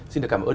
xin được cảm ơn